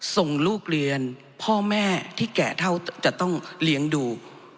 ส่งลูกเรียนพ่อแม่ที่แก่เท่าจะต้องเลี้ยงดู